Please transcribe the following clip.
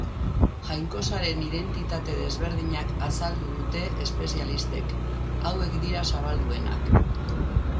Jainkosaren identitate desberdinak azaldu dute espezialistek; hauek dira zabalduenak.